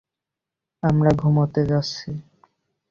আমরা ঘুমাতে যাচ্ছি।